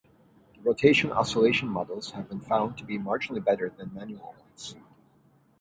The rotation-oscillation-models have been found to be marginally better than manual ones.